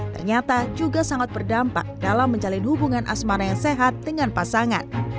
ternyata juga sangat berdampak dalam menjalin hubungan asmara yang sehat dengan pasangan